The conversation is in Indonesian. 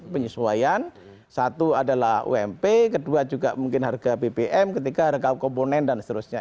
penyesuaian satu adalah ump kedua juga mungkin harga bbm ketiga harga komponen dan seterusnya